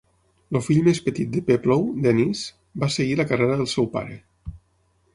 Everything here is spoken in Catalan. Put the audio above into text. El fill més petit de Peploe, Denis, va seguir la carrera del seu pare.